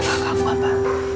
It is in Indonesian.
gak akan kamu apa